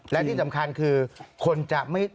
และที่สำคัญคือคนจะไม่